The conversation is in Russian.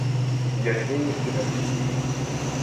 Я не боюсь тебя.